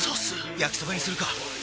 焼きそばにするか！